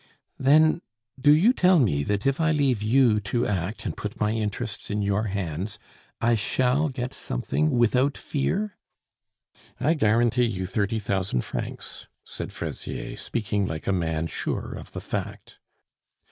"Then, do you tell me, that if I leave you to act, and put my interests in your hands, I shall get something without fear?" "I guarantee you thirty thousand francs," said Fraisier, speaking like a man sure of the fact.